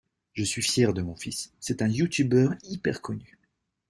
Je suis fier de mon fils, c'est un youtuber hyper connu.